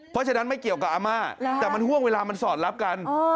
เพราะฉะนั้นไม่เกี่ยวกับอาม่าแต่มันห่วงเวลามันสอดรับกัน